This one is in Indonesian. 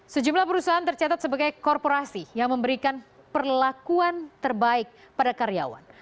sejumlah perusahaan tercatat sebagai korporasi yang memberikan perlakuan terbaik pada karyawan